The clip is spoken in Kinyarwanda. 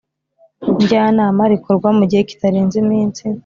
Njyanama rikorwa mu gihe kitarenze iminsi